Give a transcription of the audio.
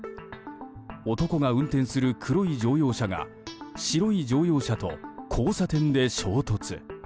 男が運転する黒い乗用車が白い乗用車と交差点で衝突。